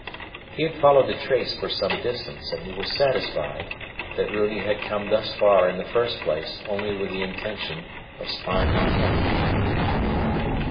He had followed the trace for some distance, and he was satisfied that Runi had come thus far in the first place only with the intention of spying on him.